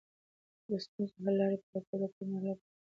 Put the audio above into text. د ستونزو حل لارې پیدا کول د کورنۍ د پلار کار دی.